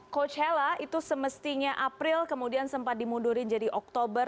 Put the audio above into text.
coachella itu semestinya april kemudian sempat dimundurin jadi oktober